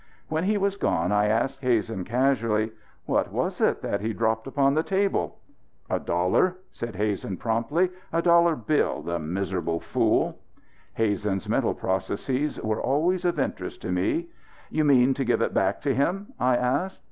When he was gone I asked Hazen casually: "What was it that he dropped upon the table?" "A dollar," said Hazen promptly. "A dollar bill. The miserable fool!" Hazen's mental processes were always of interest to me. "You mean to give it back to him?" I asked.